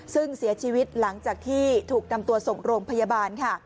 ซึ่งเสียชีวิตหลังจากที่ถูกนำตัวส่งโรงพยาบาลค่ะ